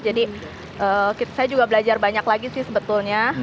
jadi saya juga belajar banyak lagi sih sebetulnya